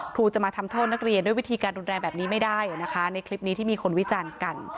ครูจะมาทำโทษนักเรียนด้วยวิธีการรุนแรงแบบนี้ไม่ได้นะคะในคลิปนี้ที่มีคนวิจารณ์กัน